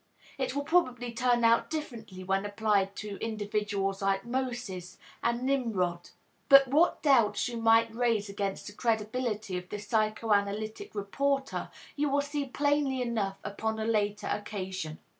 It will probably turn out differently when applied to individuals like Moses and Nimrod. But what doubts you might raise against the credibility of the psychoanalytic reporter you will see plainly enough upon a later occasion.